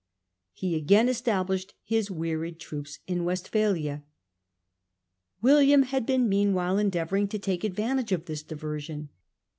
He again established his wearied troops in Westphalia. William had been meanwhile endeavouring to take advantage of this diversion.